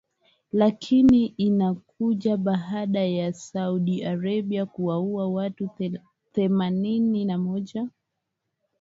lakini inakuja baada ya Saudi Arabia kuwaua watu themanini na moja